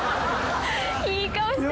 いい顔してた。